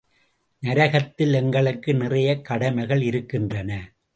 நரகத்தில் எங்களுக்கு நிறையக் கடமைகள் இருக்கின்றன.